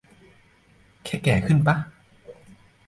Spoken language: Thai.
แค่แก่ขึ้นปะ